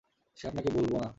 সে আপনাকে বলব না।